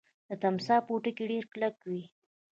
د تمساح پوټکی ډیر کلک وي